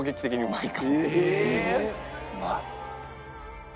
うまい。